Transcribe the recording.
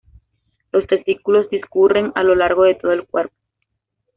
Los testículos discurren a lo largo de todo el cuerpo.